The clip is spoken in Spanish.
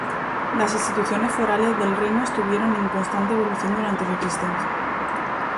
Las instituciones forales del reino estuvieron en constante evolución durante su existencia.